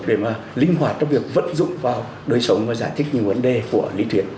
để mà linh hoạt trong việc vận dụng vào đời sống và giải thích những vấn đề của lý thuyết